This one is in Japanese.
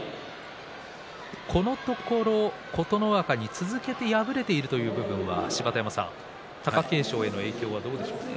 このところ琴ノ若に続いて敗れているという部分は貴景勝への影響はどうでしょうか。